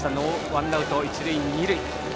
ワンアウト、一塁二塁。